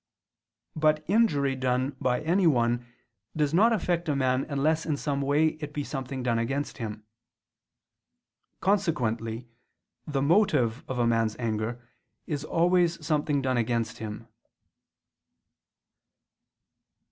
But injury done by anyone does not affect a man unless in some way it be something done against him. Consequently the motive of a man's anger is always something done against him.